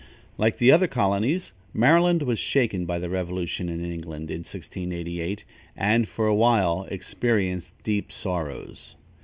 Like the other colonies, Maryland was shaken by the revolution in England, in 1688, and, for a while, experienced deep sorrows.